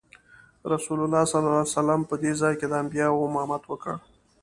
رسول الله صلی الله علیه وسلم په دې ځای کې د انبیاوو امامت وکړ.